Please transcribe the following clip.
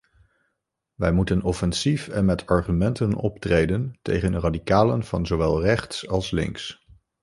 Wij moeten offensief en met argumenten optreden tegen radicalen van zowel rechts als links.